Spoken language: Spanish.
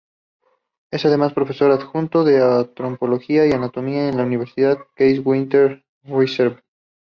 Es además profesor adjunto de Antropología y Anatomía en la Universidad Case Western Reserve.